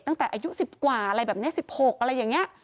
ตั้งแต่อายุ๑๐กว่าอะไรแบบนี้๑๖อะไรอย่างนี้